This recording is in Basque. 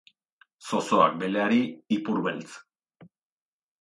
Zozoak beleari, ipurbeltz